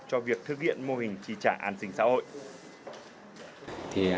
cho việc thực hiện mô hình tri trả an sinh xã hội